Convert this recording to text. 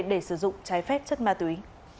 để sử dụng trái phép chất ma túy